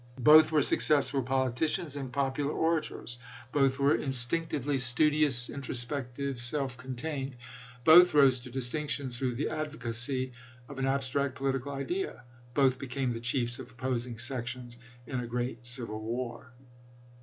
Both were successful poli ticians and popular orators. Both were instinc 208 ABRAHAM LINCOLN chap. xiii. tively studious, introspective, self contained. Both rose to distinction through the advocacy of an ab stract political idea. Both became the chiefs of opposing sections in a great civil war.